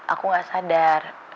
aku nggak sadar